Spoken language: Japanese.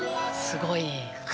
すごい。